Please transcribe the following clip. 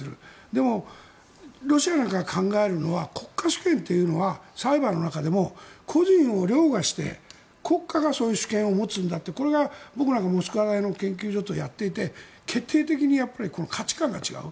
でも、ロシアなんかが考えるのは国家主権というのはサイバーの中でも個人を凌駕して国家がそういう主権を持つんだっていうこれが、僕なんかモスクワの研究所とやっていて決定的に価値観が違う。